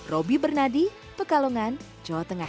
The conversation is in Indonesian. roby bernadi pekalongan jawa tengah